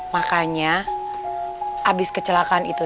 makanya abis kecelakaan itu